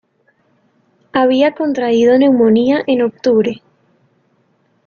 Había contraído neumonía en octubre.